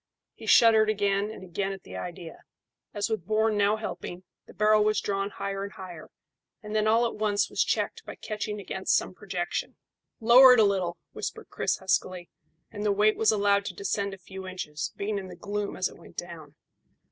He shuddered again and again at the idea, as with Bourne now helping, the barrel was drawn higher and higher, and then all at once was checked by catching against some projection. "Lower it a little," whispered Chris huskily, and the weight was allowed to descend a few inches, being in the gloom as it went down.